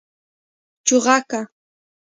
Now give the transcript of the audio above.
🐦 چوغکه